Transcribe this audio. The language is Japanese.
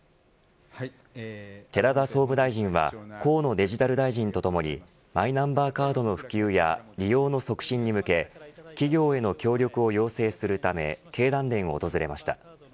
寺田総務大臣は河野デジタル大臣とともにマイナンバーカードの普及や利用の促進に向け企業への協力を要請するため経団連を訪れました。